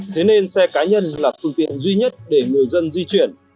thế nên xe cá nhân là phương tiện duy nhất để người dân di chuyển